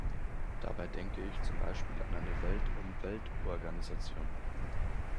Dabei denke ich zum Beispiel an eine Weltumweltorganisation.